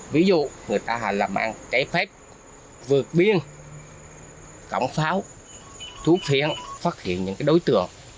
ví dụ người ta làm ăn trái phép vượt biên cổng pháo thuốc phiện phát hiện những đối tượng